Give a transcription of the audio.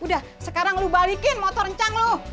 udah sekarang lu balikin motor rencang loh